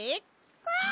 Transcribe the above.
うん！